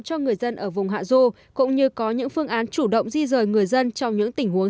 cho người dân ở vùng hạ du cũng như có những phương án chủ động di rời người dân trong những tình huống